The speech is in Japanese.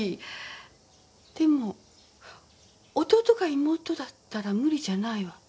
でも弟か妹だったら無理じゃないわ。